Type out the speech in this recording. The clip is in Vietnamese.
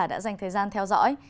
đã dành thời gian theo dõi